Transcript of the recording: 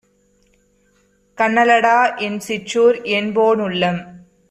கன்னலடா என்சிற்றூர் என்போ னுள்ளம்